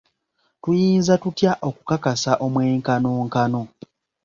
Tuyinza tutya okukakasa omwenkanonkano?